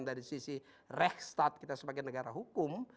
dari sisi reksat kita sebagai negara hukum